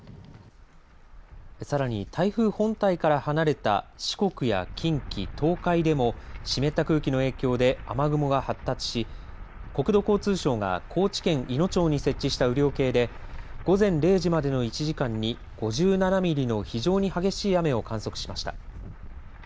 さらに台風本体から離れた四国や近畿、東海でも湿った空気の影響で雨雲が発達し国土交通省が高知県いの町に設置した雨量計で午前０時までの１時間に５７ミリの非常に激しい雨を観測しました。